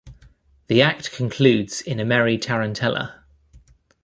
The act concludes in a merry tarantella.